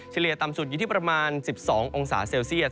ต่ำสุดอยู่ที่ประมาณ๑๒องศาเซลเซียต